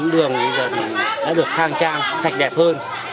đường đã được thang trang sạch đẹp hơn